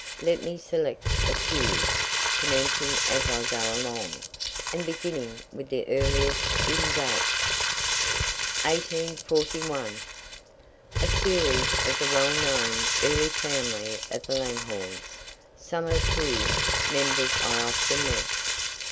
Let me select a few, commenting as I go along, and beginning with the earliest in date. 1841. A series of the well known early family of the Langhornes, some of whose members I often met.